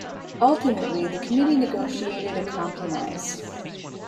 Ultimately the committee negotiated a compromise.